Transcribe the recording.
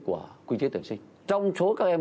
của quy chế tuyển sinh trong số các em